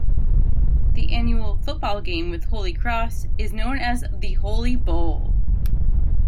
The annual football game with Holy Cross is known as The Holy Bowl.